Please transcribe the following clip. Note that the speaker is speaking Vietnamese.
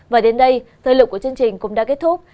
và đến đây thời lượng của chương trình cũng đã kết thúc